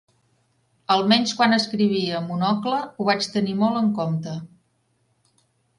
Almenys quan escrivia Monocle ho vaig tenir molt en compte.